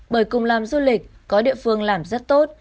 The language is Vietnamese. bởi cùng làm du lịch có địa phương làm rất tốt